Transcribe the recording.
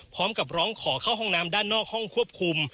พร้อมกับร้องขอเข้าห้องน้ำด้านนอกห้องควบคุม